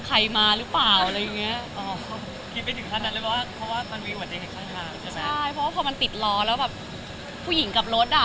ครับว่ามันจะติดล้อแล้วแบบผู้หญิงกลับรถอ่ะ